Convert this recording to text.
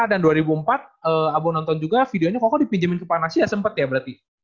dan dua ribu empat abu nonton juga videonya koko dipinjemin ke panasih ya sempet ya berarti